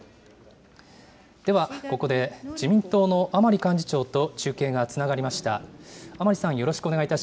ではここで、自民党の甘利幹事長と中継がつながりました。